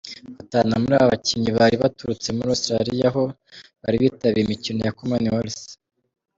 Batanu muri aba bakinnyi bari baturutse muri Australia aho bari bitabiriye imikino ya Commonwealth.